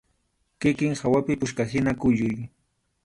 Kikin hawapi puchkahina kuyuy.